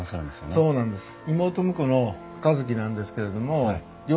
そうなんです。